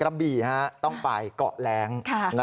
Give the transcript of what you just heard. กระบี่ต้องไปเกาะแรง